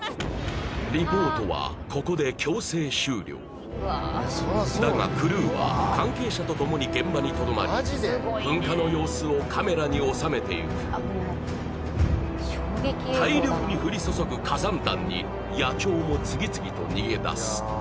リポートはここで強制終了だがクルーは関係者とともに現場にとどまり噴火の様子をカメラに収めていく大量に降り注ぐ火山弾に野鳥も次々と逃げだす